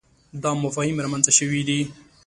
دا مفاهیم رامنځته شوي دي.